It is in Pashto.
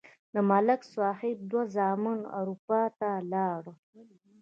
د ملک صاحب دوه زامن اروپا ته لاړل.